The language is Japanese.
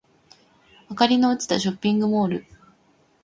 明かりの落ちたショッピングモール